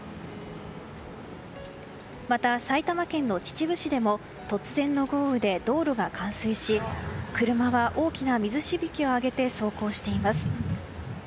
また、埼玉県の秩父市でも突然の豪雨で道路が冠水し車は大きな水しぶきを上げて走行しています。